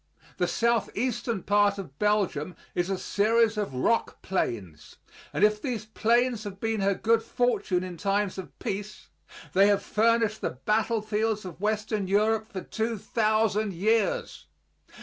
The southeastern part of Belgium is a series of rock plains, and if these plains have been her good fortune in times of peace, they have furnished the battlefields of Western Europe for two thousand years.